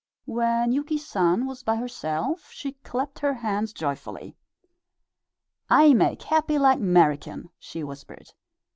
When Yuki San was by herself she clapped her hands joyfully. "I make happy like 'Merican," she whispered.